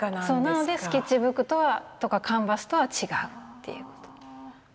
なのでスケッチブックとかカンバスとは違うっていうこと。